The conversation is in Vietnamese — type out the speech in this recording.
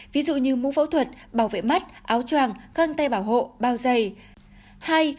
ví dụ như mũ phẫu thuật bảo vệ mắt áo troàng găng tay bảo hộ bao dày